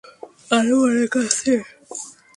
আরও অনেক আছে!